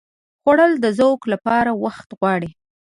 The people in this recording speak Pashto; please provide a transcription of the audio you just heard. خوړل د ذوق لپاره وخت غواړي